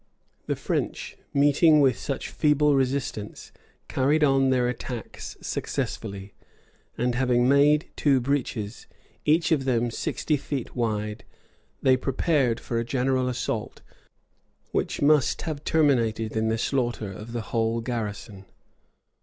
[] The French, meeting with such feeble resistance, carried on their attacks successfully; and having made two breaches, each of them sixty feet wide, they prepared for a general assault, which must have terminated in the slaughter of the whole garrison.